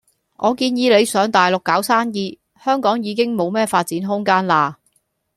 我建議你上大陸搞生意，香港已經冇咩發展空間喇。